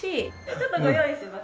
ちょっとご用意します。